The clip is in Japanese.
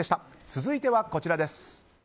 続いてはこちらです。